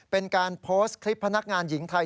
เป็นการโพสต์คลิปพนักงานหญิงไทย